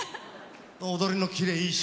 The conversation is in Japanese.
踊りのキレいいし。